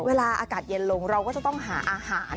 เวลาอากาศเย็นลงเราก็จะต้องหาอาหาร